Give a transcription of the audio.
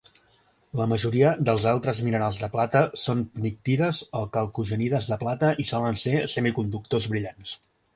La majoria dels altres minerals de plata són pnictides o calcogenides de plata i solen ser semiconductors brillants.